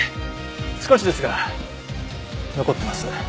少しですが残ってます。